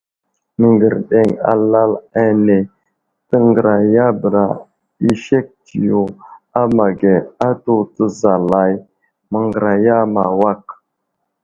Məŋgerdeŋ alal ane təŋgərayabəra i sek tsiyo a ma age atu təzalay məŋgəraya ma awak.